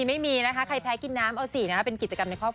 ไม่มีนะคะใครแพ้กินน้ำเอาสินะเป็นกิจกรรมในครอบครัว